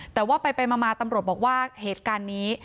แต่ว่าไปมาตำรวจบอกว่าเหตุการณ์นี้